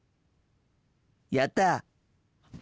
やった！